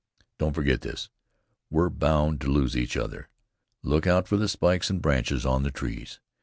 Don't forget this. We're bound to lose each other. Look out for the spikes and branches on the trees.